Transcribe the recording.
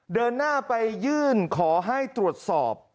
เดินหน้าไปยื่นขอให้ตรวจสอบ